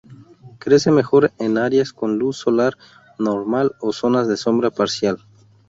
Crece mejor en áreas con luz solar normal o zonas de sombra parcial.